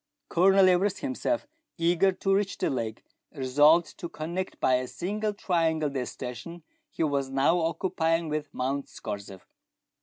Colonel Everest, himself eager to reach the lake, resolved to connect by a single triangle the station he was now occupying with Mount Scorzef.